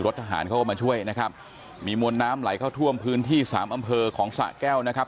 ทหารเขาก็มาช่วยนะครับมีมวลน้ำไหลเข้าท่วมพื้นที่สามอำเภอของสะแก้วนะครับ